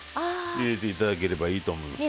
入れて頂ければいいと思います。